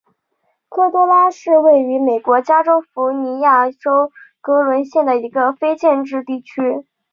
科多拉是位于美国加利福尼亚州格伦县的一个非建制地区。